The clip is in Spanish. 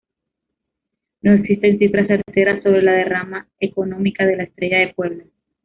No existen cifras certeras sobre la derrama económica de la Estrella de Puebla.